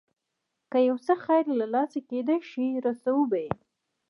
که یو څه خیر له لاسه کېدای شي رسوو به یې.